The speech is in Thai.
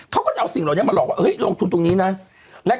เขาก็จะเอาสิ่งเหล่านี้มาหลอกว่าลงทุนตรงนี้นะ